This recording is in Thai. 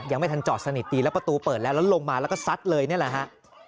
ยังไม่ทันจอดสนิทดีแล้วประตูเปิดแล้วแล้วลงมาแล้วก็ซัดเลยนี่แหละฮะ